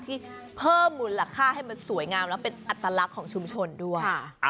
ที่เพิ่มมูลค่าให้มันสวยงามและเป็นอัตลักษณ์ของชุมชนด้วย